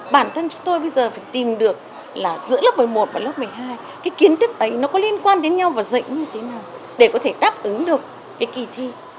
bản thân chúng tôi bây giờ phải tìm được là giữa lớp một mươi một và lớp một mươi hai cái kiến thức ấy nó có liên quan đến nhau và dạy như thế nào để có thể đáp ứng được cái kỳ thi